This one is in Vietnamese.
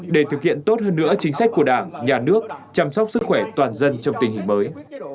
để thực hiện tốt hơn nữa chính sách của đảng nhà nước chăm sóc sức khỏe toàn dân trong tình hình mới